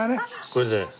これで。